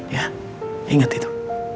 ya inget itu